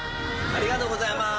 ありがとうございます。